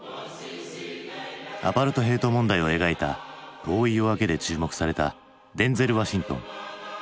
アパルトヘイト問題を描いた「遠い夜明け」で注目されたデンゼル・ワシントン。